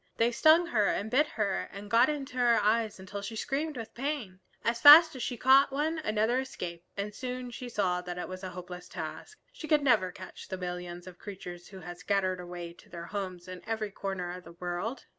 They stung her and bit her and got into her eyes until she screamed with pain. As fast as she caught one another escaped, and she soon saw that it was a hopeless task. She could never catch the millions of creatures who had scattered away to their homes in every corner of the world.